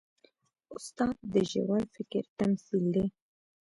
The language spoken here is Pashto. استاد د ژور فکر تمثیل دی.